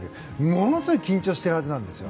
ものすごい緊張しているはずなんですよ。